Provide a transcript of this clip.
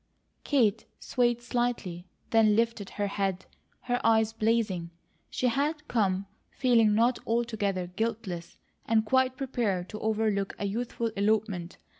Kate swayed slightly, then lifted her head, her eyes blazing. She had come, feeling not altogether guiltless, and quite prepared to overlook a youthful elopement.